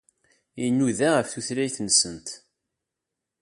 Inuda ɣef tutlayt-nsent.